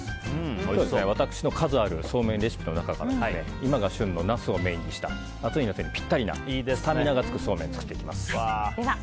今回、私の数あるそうめんレシピの中から今が旬のナスをメインにした暑い夏にぴったりなスタミナがつくそうめんを作っていきます。